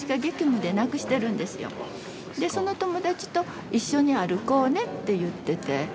でその友達と一緒に歩こうねって言ってて。